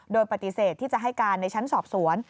โดยปฏิเสธที่จะให้การในชั้นสอบสวน